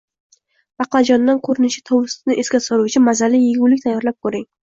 Baqlajondan ko‘rinishi tovusni esga soluvchi mazali yegulik tayyorlab ko‘ring